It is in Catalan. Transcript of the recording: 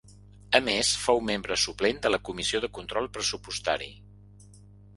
A més, fou membre suplent de la comissió de control pressupostari.